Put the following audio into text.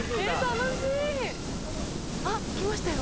楽しい。あっ来ましたよ。